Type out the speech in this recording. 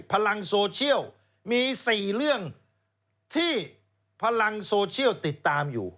พลังโซเชียลมี๔เรื่องที่พลังโซเชียลติดตามอยู่